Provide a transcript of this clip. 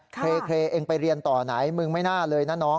เคเองไปเรียนต่อไหนมึงไม่น่าเลยนะน้อง